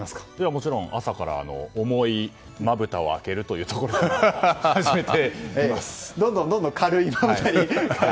もちろん、朝から重いまぶたを開けるところからどんどん軽いものに。